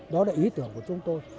đó là ý tưởng của chúng tôi